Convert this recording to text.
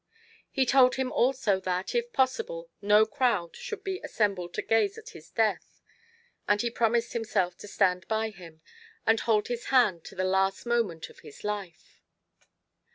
He told him also that, if possible, no crowd should be assembled to gaze at his death; and he promised himself to stand by him, and hold his hand to the last moment of his life.